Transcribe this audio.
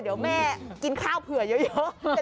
เดี๋ยวแม่กินข้าวเผื่อเยอะ